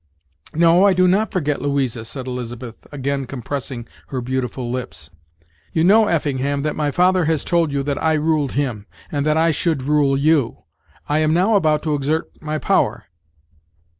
"No, I do not forget Louisa," said Elizabeth, again compressing her beautiful lips. "You know, Effingham, that my father has told you that I ruled him, and that I should rule you. I am now about to exert my power."